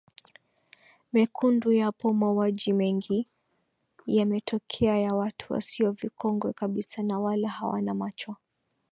mekunduyapo mauaji mengi yametokea ya watu wasio vikongwe kabisa na wala hawana macho